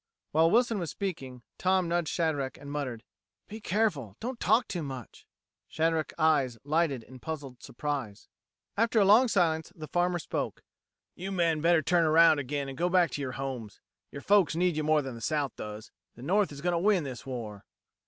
While Wilson was speaking, Tom nudged Shadrack, and muttered, "Be careful don't talk too much." Shadrack's eyes lighted in puzzled surprise. After a long silence, the farmer spoke: "You men better turn around again an' go back to yer homes. Yer folks need you more than the South does. The North is going to win this war."